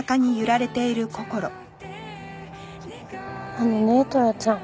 あのねトラちゃん。